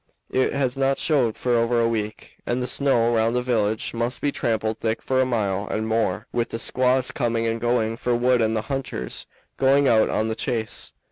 It has not snowed for over a week, and the snow round the village must be trampled thick for a mile and more, with the squaws coming and going for wood and the hunters going out on the chase.